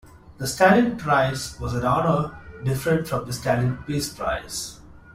The Stalin Prize was an honor different from the Stalin Peace Prize.